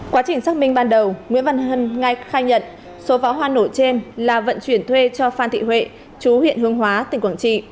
quá trình xác minh ban đầu nguyễn văn hân ngay khai nhận số pháo hoa nổ trên là vận chuyển thuê cho phan thị huệ chú huyện hương hóa tỉnh quảng trị